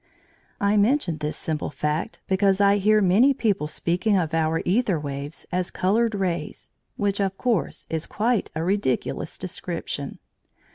I mention this simple fact, because I hear many people speaking of our æther waves as "coloured rays," which, of course, is quite a ridiculous description.